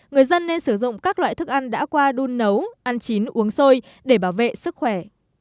người dân nên sử dụng các loại thức ăn đã qua đun nấu ăn chín uống sôi để bảo vệ sức khỏe